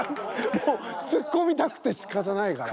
もうツッコみたくてしかたないから。